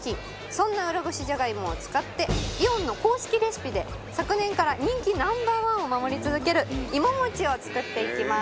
そんなうらごしじゃがいもを使ってイオンの公式レシピで昨年から人気Ｎｏ．１を守り続けるいももちを作っていきます。